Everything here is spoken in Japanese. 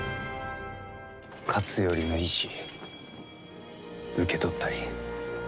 勝頼の意志、受け取ったり。